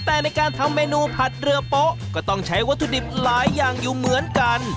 แต่ในการทำเมนูผัดเรือโป๊ะก็ต้องใช้วัตถุดิบหลายอย่างอยู่เหมือนกัน